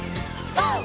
ＧＯ！